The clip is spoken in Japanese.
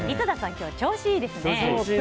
今日は調子いいですね。